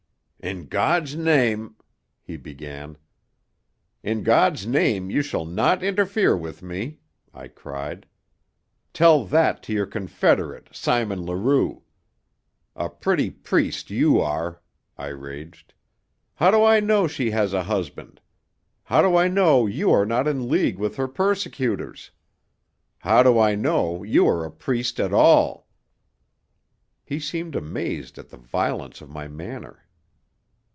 "In God's name " he began. "In God's name you shall not interfere with me," I cried. "Tell that to your confederate, Simon Leroux. A pretty priest you are!" I raged. "How do I know she has a husband? How do I know you are not in league with her persecutors? How do I know you are a priest at all?" He seemed amazed at the violence of my manner.